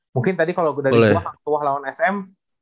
mungkin tadi kalo dari gue hang tua lawan sm